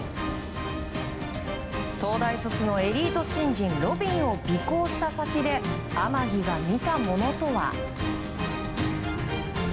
東大卒のエリート新人路敏を尾行した先で天樹が見たものとは？